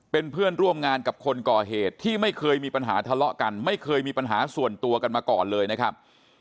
เป็นเพื่อนร่วมงานกับคนก่อเหตุที่ไม่เคยมีปัญหาทะเลาะกันไม่เคยมีปัญหาส่วนตัวกันมาก่อนเลยนะครับ